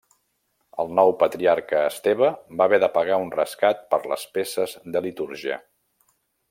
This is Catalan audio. El nou patriarca Esteve va haver de pagar un rescat per les peces de litúrgia.